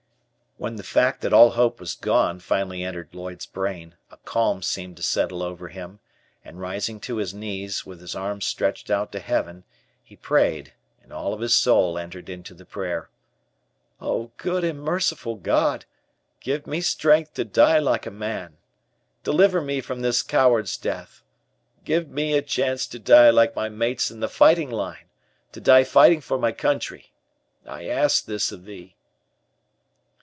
'" When the fact that all hope was gone finally entered Lloyd's brain, a calm seemed to settle over him, and rising to his knees, with his arms stretched out to heaven, he prayed, and all of his soul entered into the prayer: "Oh, good and merciful God, give me strength to die like a man! Deliver me from this coward's death. Give me a chance to die like my mates in the fighting line, to die fighting for my country. I ask this of thee."